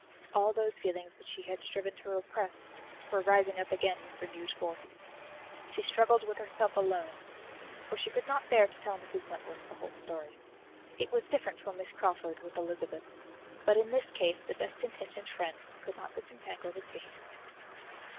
All those feelings which she had striven to repress were rising up again with renewed force. She struggled with herself alone, for she could not bear to tell Mrs. Wentworth the whole story; it was different for Miss Crawford with Elizabeth, but in this case the best intentioned friend could not disentangle the skein.